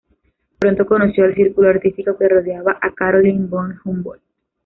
Pronto conoció al círculo artístico que rodeaba a Caroline von Humboldt.